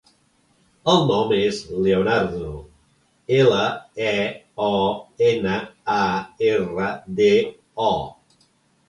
El nom és Leonardo: ela, e, o, ena, a, erra, de, o.